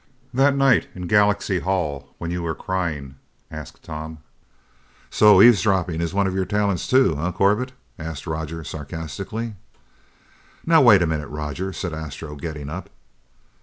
"That night in Galaxy Hall, when you were crying ?" asked Tom. "So eavesdropping is one of your talents too, eh, Corbett?" asked Roger sarcastically. "Now, wait a minute, Roger," said Astro, getting up.